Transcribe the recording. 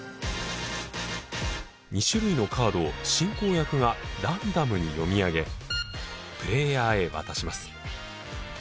２種類のカードを進行役がランダムに読み上げプレイヤーへ渡します。